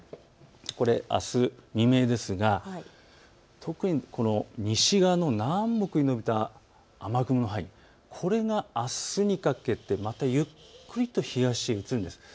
これ、あす未明ですが、特に西側の南北に延びた雨雲がこれがあすにかけてゆっくりと東へ移るんです。